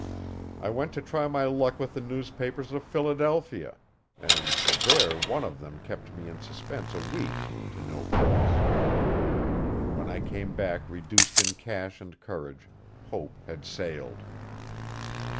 I went to try my luck with the newspapers of Philadelphia, and there one of them kept me in suspense a week to no purpose. When I came back reduced in cash and courage Hope had sailed.